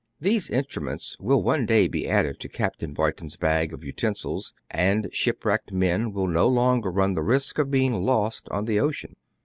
These instruments will one day be added to Capt. Boy ton's bag of utensils, and shipwrecked men will no longer run the risk of being lost on the ocean.